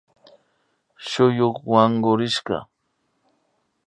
Suyuk wankurishka